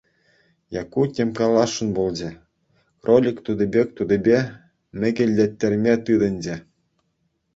Якку тем каласшӑн пулчӗ, кролик тути пек тутипе мӗкӗлтеттерме тытӑнчӗ.